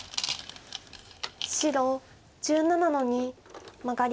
白１７の二マガリ。